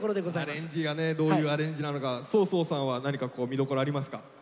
アレンジがねどういうアレンジなのかＳＯ−ＳＯさんは何か見どころありますか？